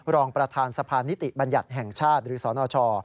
รองประธานสะพานนิติบัญญัติแห่งชาติหรือสนช